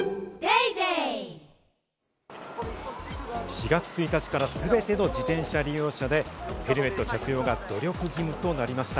４月１日からすべての自転車利用者でヘルメット着用が努力義務となりました。